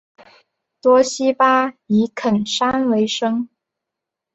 多希巴以垦山为生。